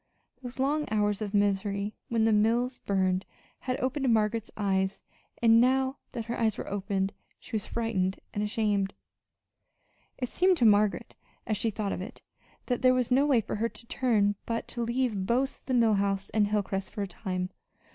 Those long hours of misery when the mills burned had opened Margaret's eyes; and now that her eyes were opened, she was frightened and ashamed. It seemed to Margaret, as she thought of it, that there was no way for her to turn but to leave both the Mill House and Hilcrest for a time.